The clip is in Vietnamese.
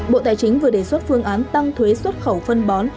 bộ tài chính vừa đề xuất phương án tăng thuế xuất khẩu phân bó